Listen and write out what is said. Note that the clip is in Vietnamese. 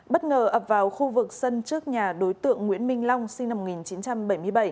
bất ngờ ập vào khu vực sân trước nhà đối tượng nguyễn minh long sinh năm một nghìn chín trăm bảy mươi bảy